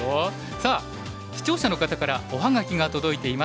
さあ視聴者の方からお葉書が届いています。